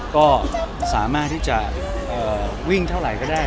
ก็สามารถที่จะวิ่งเท่าไหร่ก็ได้